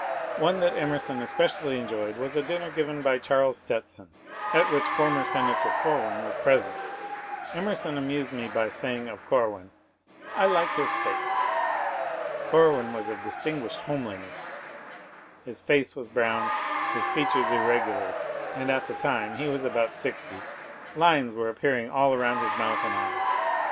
One that Emerson especially enjoyed was a dinner given by Charles Stetson, at which former Senator Corwin was present. Emer son amused me by saying of Corwin, ^^ I like his face." Cor win was of distinguished homeliness ; his face was brown, his features irregular, and at the time — he was about sixty — lines were appearing around his mouth and eyes.